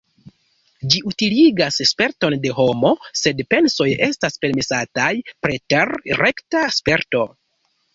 Ĝi utiligas sperton de homo, sed pensoj estas permesataj preter rekta sperto.